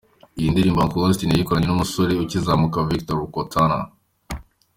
Iyi ndirimbo Uncle Austin yayikoranye n’umusore ukizamuka Victor Rukotana.